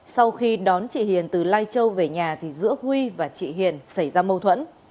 sau khi đón chị hiền từ lai châu về nhà thì giữa huy và chị hiền xảy ra mâu thuẫn